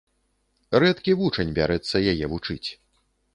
Рэдкі вучань бярэцца яе вучыць.